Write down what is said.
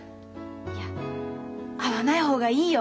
いや会わない方がいいよ。